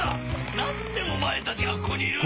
何でお前たちがここにいる！